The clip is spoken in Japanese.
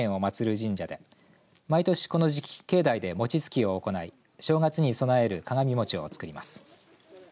神社で毎年この時期境内で餅つきを行い正月に備える鏡餅を作ります。